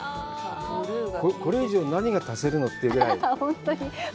これ以上、何が足せるのっていうぐらい。